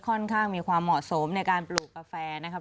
ค่อนข้างมีความเหมาะสมในการปลูกกาแฟนะครับ